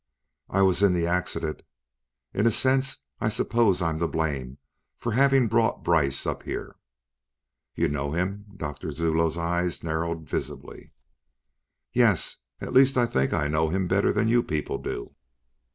"I was in the accident. In a sense, I suppose I'm to blame for having brought Brice up here." "You know him?" Doctor Zuloe's eyes narrowed visibly. "Yes. At least, I think I know him better than you people do."